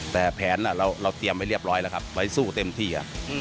แต่แผนเราเตรียมไว้เรียบร้อยแล้วครับไว้สู้เต็มที่